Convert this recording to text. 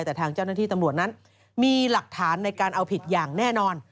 แต่ทางเจ้าหน้าที่ตำรวจนั้นมีหลักฐานในการเอาผิดอย่างแน่นอน